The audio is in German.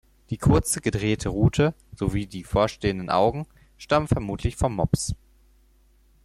Die kurze gedrehte Rute sowie die vorstehenden Augen stammen vermutlich vom Mops.